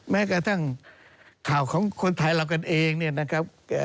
แม้กระทั่งข่าวของคนไทยเรากันเองเนี่ยนะครับ